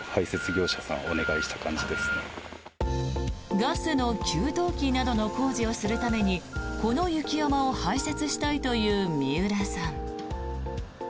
ガスの給湯器などの工事をするためにこの雪山を排雪したいという三浦さん。